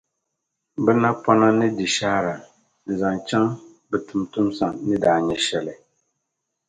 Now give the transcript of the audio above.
Bɛ napɔna ni di shɛhira, n-zaŋ chaŋ bɛ tuuntumsa ni daa nyɛ shɛli.